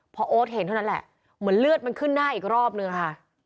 พอโอ๊ตเห็นเท่านั้นแหละเหมือนเลือดมันขึ้นหน้าอีกรอบนึงค่ะ